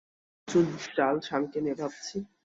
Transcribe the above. এ দিকে পঞ্চুর জাল মামীকে নিয়ে ভাবছি।